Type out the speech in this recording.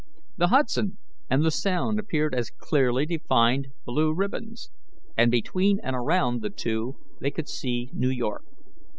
The Hudson and the Sound appeared as clearly defined blue ribbons, and between and around the two they could see New York.